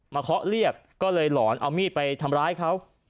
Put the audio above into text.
เคาะเรียกก็เลยหลอนเอามีดไปทำร้ายเขา